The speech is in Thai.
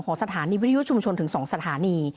สถานีวิทยุชุมชนถึง๒สถานี